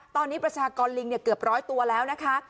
ตอนนี้ประชากรลิงเกือบร้อยตัวแล้วนะคะ